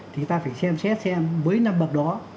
thì ta phải xem xét xem với năm bậc đó